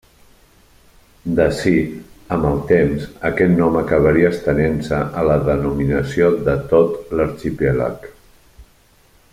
D'ací, amb el temps, aquest nom acabaria estenent-se a la denominació de tot l'arxipèlag.